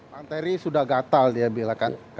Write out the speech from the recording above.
bang terry sudah gatal dia bilang kan